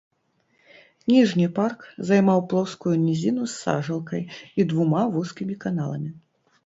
Ніжні парк займаў плоскую нізіну з сажалкай і двума вузкімі каналамі.